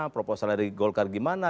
proposal dari golkar bagaimana